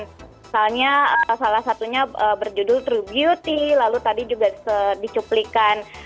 misalnya salah satunya berjudul true beauty lalu tadi juga dicuplikan